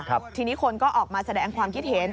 ทีนี้คนก็ออกมาแสดงความคิดเห็น